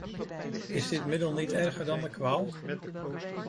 Is dit middel niet erger dan de kwaal?